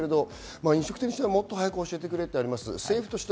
飲食店にしてはもっと早く教えてくれというのがあります。